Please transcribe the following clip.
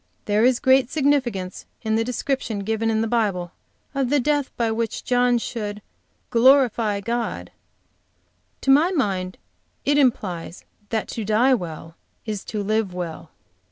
There is great significance in the description given in the Bible of the death by which John should 'Glorify God'; to my mind it implies that to die well is to live well."